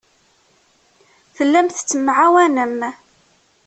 Tellam tettemɛawanem.